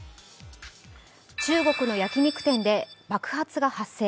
中国の焼き肉店で爆発が発生。